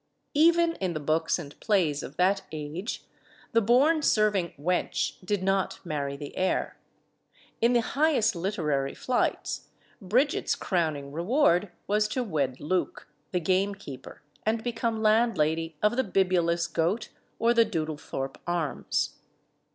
Even in the books and plays of that age, the born serving wench did not marry the heir. In the highest literary flights, Bridget's crowning reward was to wed Luke, the gamekeeper, and become landlady of The Bibulous Goat or The Doodlethorpe Arms.